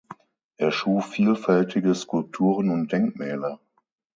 Er schuf vielfältige Skulpturen und Denkmäler.